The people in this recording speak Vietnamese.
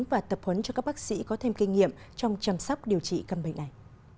và tập huấn cho các bác sĩ có thêm kinh nghiệm trong chăm sóc điều trị căn bệnh này